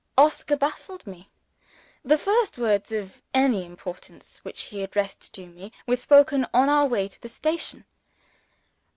Oscar baffled me. The first words of any importance which he addressed to me were spoken on our way to the station.